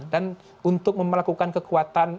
dan untuk melakukan kekuatan